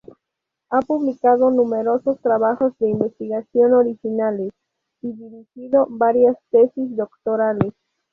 Ha publicado numerosos trabajos de investigación originales y dirigido varias tesis doctorales.